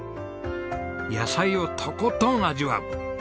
野菜をとことん味わう。